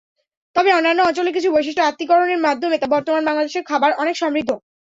তবে অন্যান্য অঞ্চলের কিছু বৈশিষ্ট্য আত্মীকরণের মাধ্যমে বর্তমান বাংলাদেশের খাবার অনেক সমৃদ্ধ।